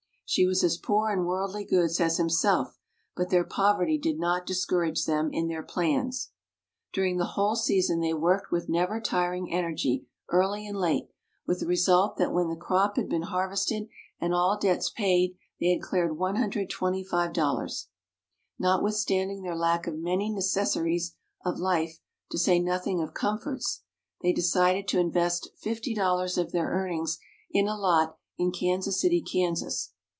She INTRODUCTION 15 was as poor in worldly goods as himself ; but their poverty did not discourage them in their plans. During the whole season they worked with never tiring energy, early and late ; with the result that when the crop had been harvested and all debts paid they had cleared $125. Notwithstanding their lack of many necessaries of life, to say nothing of comforts, they decided to invest $50 of their earnings in a lot in Kansas City, Kansas.